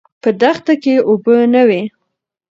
په دښته کې اوبه نه وې.